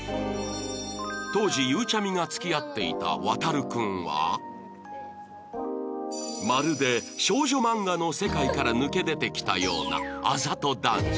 当時ゆうちゃみが付き合っていたワタル君はまるで少女マンガの世界から抜け出てきたようなあざと男子